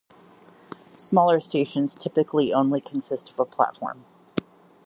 Smaller stations typically only consist of a platform.